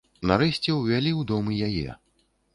Нарэшце ўвялі ў дом і яе.